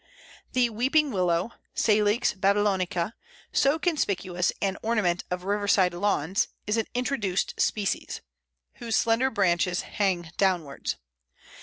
The Weeping Willow (Salix babylonica), so conspicuous an ornament of riverside lawns, is an introduced species, whose slender branches hang downwards.